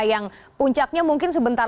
yang puncaknya mungkin sebentar